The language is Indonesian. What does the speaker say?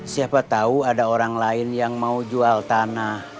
siapa tahu ada orang lain yang mau jual tanah